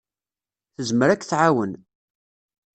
Tezmer ad k-tɛawen.